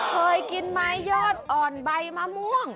เคยกินไม้ยอดอ่อนใบมะม่วง